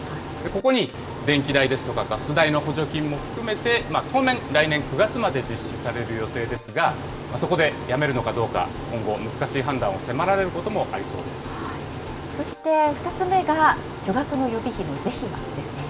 ここに電気代ですとかガス代の補助金も含めて、当面、来年９月まで実施される予定ですが、そこでやめるのかどうか、今後、難しい判断を迫られることもありそうでそして、２つ目が巨額の予備費の是非は？ですね。